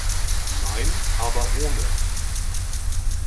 Nein, aber ohne!